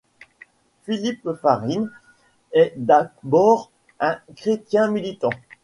Philippe Farine est d'abord un chrétien militant.